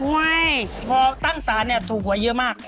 เฮ่ยพอตั้งสารถูกหวยเยอะมาก